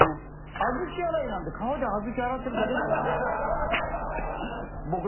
小豆洗いなんて川で小豆洗ってるだけだもんね。